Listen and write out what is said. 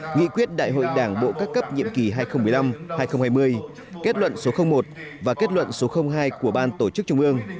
nghị quyết đại hội đảng bộ các cấp nhiệm kỳ hai nghìn một mươi năm hai nghìn hai mươi kết luận số một và kết luận số hai của ban tổ chức trung ương